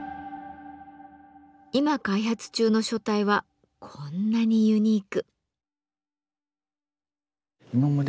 今開発中の書体はこんなにユニーク。